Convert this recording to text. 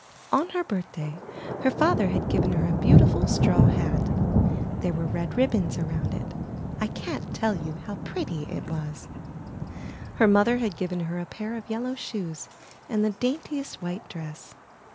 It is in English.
On her birthday her father had given her a beau tiful straw hat. There were red ribbons around it; I can't tell you how pretty it was. Her mother had given her a pair of yellow shoes and the daintiest white dress.